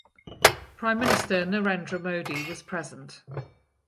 Prime Minister Narendra Modi was present.